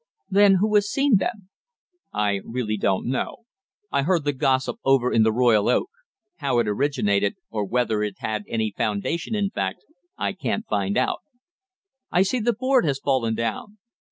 "Then who has seen them?" "I really don't know. I heard the gossip over in the Royal Oak. How it originated, or whether it had any foundation in fact, I can't find out." "I see the board has fallen down."